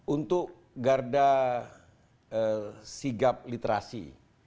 untuk garda sigap literasi